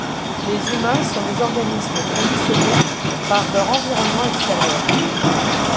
Les humains sont des organismes conditionnés par leur environnement extérieur.